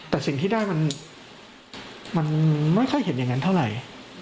แต่สิ่งที่ได้มันไม่ค่อยเห็นอย่างนั้นเท่าไหร่